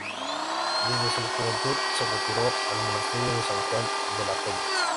Desde su juventud se retiró al monasterio de San Juan de la Peña.